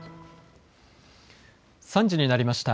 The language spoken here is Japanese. ３時になりました。